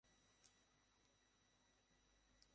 তারা রাতে আসবে আর কাউকে নিয়ে যাবে!